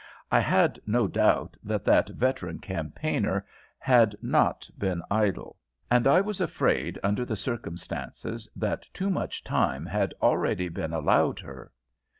I had no doubt that that veteran campaigner had not been idle; and I was afraid, under the circumstances, that too much time had already been allowed her.